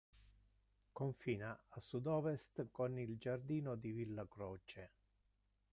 Confina a sud-ovest con il giardino di Villa Croce.